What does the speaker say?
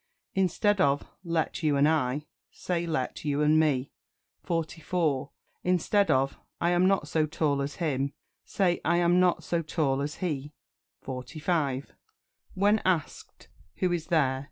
Instead of "Let you and I," say "Let you and me." 44. Instead of "I am not so tall as him," say "I am not so tall as he." 45. When asked "Who is there?"